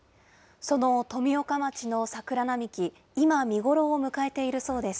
その富岡町の桜並木、今、見頃を迎えているそうです。